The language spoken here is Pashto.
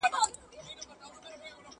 ¬ له بدو څخه ښه زېږي، له ښو څخه واښه.